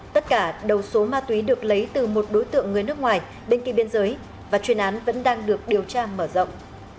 tất cả đầu số ma túy được lấy từ một đối tượng người nước ngoài bên kia biên giới và chuyên án vẫn đang được điều tra mở rộng